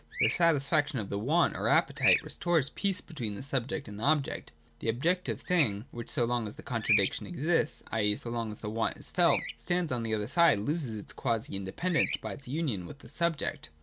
The satisfaction of the want or appetite restores the peace between subject and object. The objective thing which, so long as the contradiction exists, i.e. so long as the want is felt, stands on the other side, loses this quasi independence, by its union with the subject.